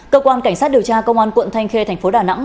cơ quan cảnh sát điều tra công an quận thanh khê tp đà nẵng